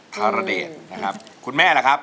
คารเดชนะครับคุณแม่ล่ะครับ